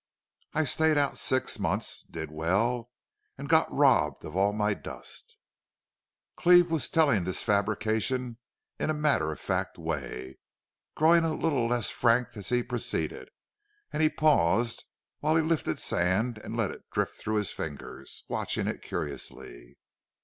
I stayed out six months, did well, and got robbed of all my dust." Cleve was telling this fabrication in a matter of fact way, growing a little less frank as he proceeded, and he paused while he lifted sand and let it drift through his fingers, watching it curiously.